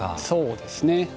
そうですね。